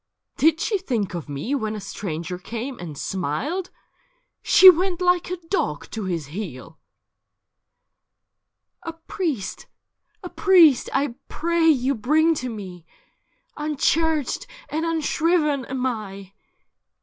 ' Did she think of me when a stranger came and smiled ? She went like a do'j to his heel I ' 20 JEANNE BRAS ' A priest ! a. priest, I pray you bring to me ; Unchurched and unshriven am I.'